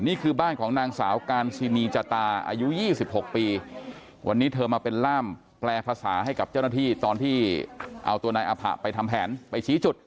นี่คือบ้านของนางสาวการชินีจตาอายุ๒๖ปี